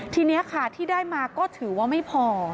ทีนี้ค่ะที่ได้มาก็ถือว่าไม่พอ